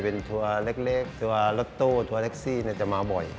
เป็นทัวร์เล็กทัวร์รถตู้ทัวร์แท็กซี่จะมาบ่อย